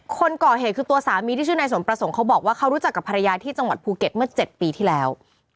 คนก่อเหตุคือตัวสามีที่ชื่อนายสมประสงค์เขาบอกว่าเขารู้จักกับภรรยาที่จังหวัดภูเก็ตเมื่อ๗ปีที่แล้ว